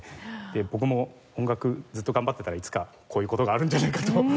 僕も音楽ずっと頑張ってたらいつかこういう事があるんじゃないかと思って。